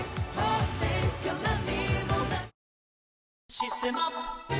「システマ」